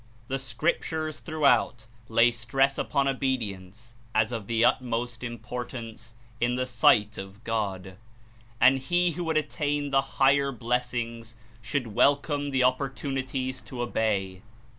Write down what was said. The Scriptures throughout lay stress upon obedience as of the utmost Importance in the sight of God, and he who would attain the higher blessings should welcome the opportunities to obey.